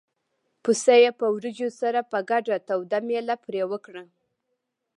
پسه یې په وریجو سره په ګډه توده مېله پرې وکړه.